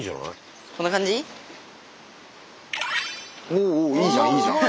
おおいいじゃんいいじゃん。